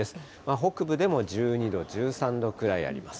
北部でも１２度、１３度くらいあります。